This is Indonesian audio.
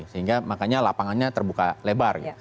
sehingga makanya lapangannya terbuka lebar